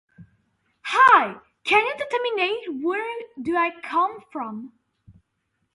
He is considered the "father" of both the documentary and the ethnographic film.